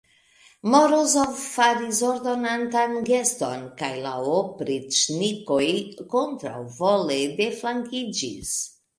Morozov faris ordonantan geston, kaj la opriĉnikoj kontraŭvole deflankiĝis.